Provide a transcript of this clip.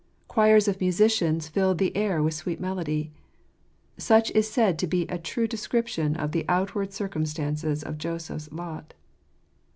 Choirs of musicians filled the air with sweet melody. Such is said to be a true descrip tion of the outward circumstances of Joseph's lot.